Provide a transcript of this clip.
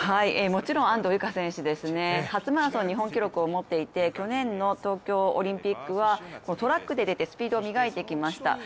もちろん、安藤友香選手ですね、初マラソン日本記録を持っていて去年の東京オリンピックは、トラックで出てスピードを磨いてきました。